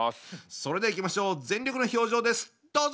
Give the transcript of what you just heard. それではいきましょう全力の表情ですどうぞ！